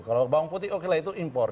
kalau bawang putih okelah itu impor